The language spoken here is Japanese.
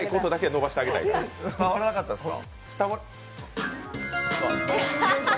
伝わらなかったですか？